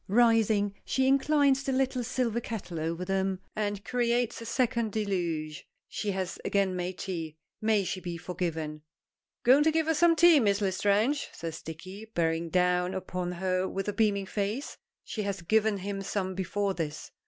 Rising, she inclines the little silver kettle over them, and creates a second deluge. She has again made tea. May she be forgiven! "Going to give us some tea, Miss L'Estrange?" says Dicky, bearing down upon her with a beaming face. She has given him some before this.